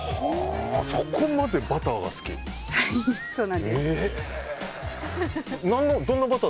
そこまでバターが好きと。